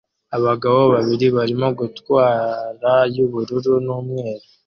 Abagabo babiri barimo gutwarayubururu n'umweru